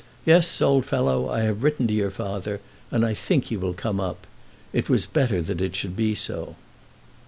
Yes, old fellow, I have written to your father, and I think he will come up. It was better that it should be so."